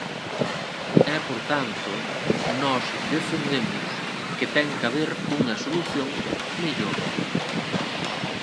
E, por tanto, nós defendemos que ten que haber unha solución mellor.